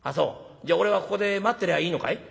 じゃあ俺はここで待ってりゃいいのかい？」。